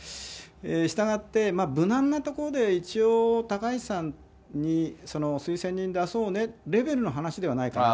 したがって、無難なところで一応、高市さんに推薦人だそうねレベルの話ではないかなと。